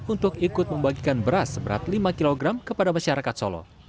untuk ikut membagikan beras seberat lima kg kepada masyarakat solo